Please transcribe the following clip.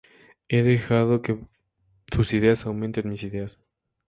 He dejado que sus ideas aumenten mis ideas".